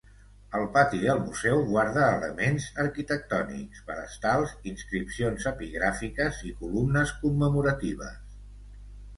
El pati del museu guarda elements arquitectònics, pedestals, inscripcions epigràfiques i columnes commemoratives.